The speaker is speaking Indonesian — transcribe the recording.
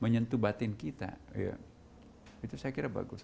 menyentuh batin kita itu saya kira bagus